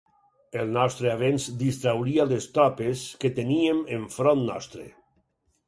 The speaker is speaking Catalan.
El nostre avenç distrauria les tropes que teníem enfront nostre.